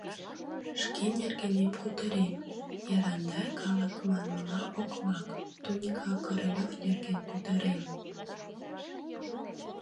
Шке нергенем кутырем, Ярандай калык манмыла, окмак, тунька Королёв нерген кутырем.